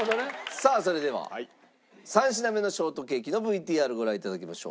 さあそれでは３品目のショートケーキのＶＴＲご覧頂きましょう。